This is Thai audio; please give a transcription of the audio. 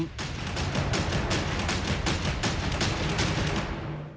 สวัสดีครับ